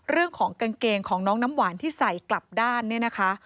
กางเกงของน้องน้ำหวานที่ใส่กลับด้านเนี่ยนะคะ